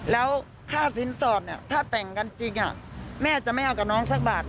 แล้วค่าสินสอดถ้าแต่งกันจริงแม่จะไม่เอากับน้องสักบาท